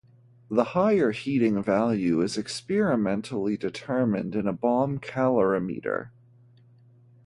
The higher heating value is experimentally determined in a bomb calorimeter.